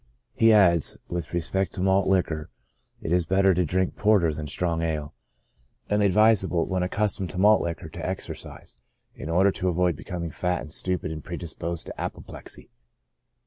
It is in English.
He adds, with respect to malt liquor, " it is better to drink porter than strong ale, and ad visable, when accustomed to malt liquor, to take exercise. PREDISPOSING CAUSES. 39 in order to avoid becoming fat and stupid, and predisposed to apoplexy."